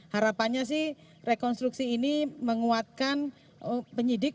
harapannya sih rekonstruksi ini menguatkan penyidik